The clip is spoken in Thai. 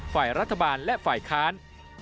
ฝ่ายรัฐบาลและฝ่ายค้าน